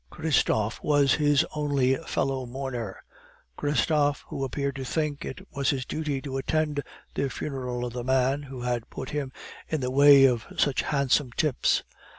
Christophe was his only fellow mourner; Christophe, who appeared to think it was his duty to attend the funeral of the man who had put him in the way of such handsome tips.